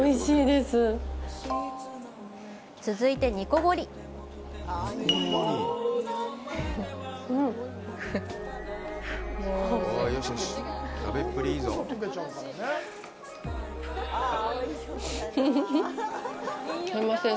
すみません。